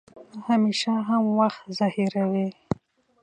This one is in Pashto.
نو همېشه هم وخت ظاهروي